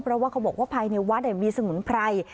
เพราะว่าเขาบอกว่าภายในวัดมีสมุนไพร